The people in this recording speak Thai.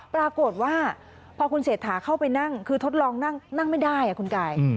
ปรากฏว่าพอคุณเศรษฐาเข้าไปนั่งคือทดลองนั่งไม่ได้คุณกาย